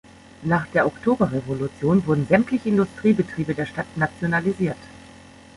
Nach der Oktoberrevolution wurden sämtliche Industriebetriebe der Stadt nationalisiert.